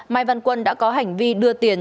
mai văn quân đã có hành vi đưa tiền